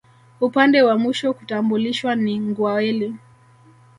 Upande wa mwisho kutambulishwa ni Ngwâeli